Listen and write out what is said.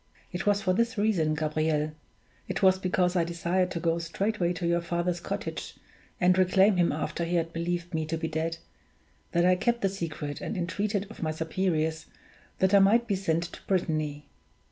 It was for this reason, Gabriel it was because I desired to go straightway to your father's cottage, and reclaim him after he had believed me to be dead that I kept the secret and entreated of my superiors that I might be sent to Brittany.